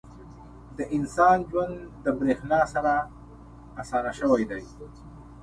• د انسان ژوند د برېښنا سره اسانه شوی دی.